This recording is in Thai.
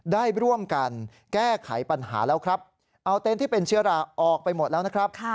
ได้ร่วมกันแก้ไขปัญหาแล้วครับเอาเต็นต์ที่เป็นเชื้อราออกไปหมดแล้วนะครับ